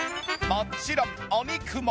もちろんお肉も！